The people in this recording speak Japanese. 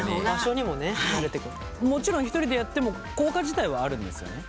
もちろん１人でやっても効果自体はあるんですよね？